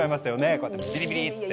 こうやってビリビリって。